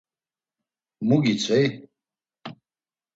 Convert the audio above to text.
“Mu gitzvey?”